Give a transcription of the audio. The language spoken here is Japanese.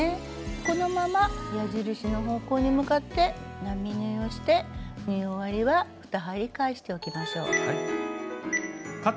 このまま矢印の方向に向かって並縫いをして縫い終わりは２針返しておきましょう。